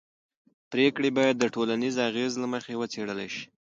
پرېکړې باید د ټولنیز اغېز له مخې وڅېړل شي